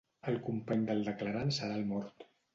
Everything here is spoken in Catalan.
El company del declarant serà el mort.